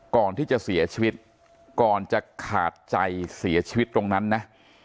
ก่อนที่จะเสียชีวิตก่อนจะขาดใจเสียชีวิตตรงนั้นนะ